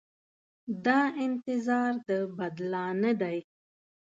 دا انتظار د بدلانه دی.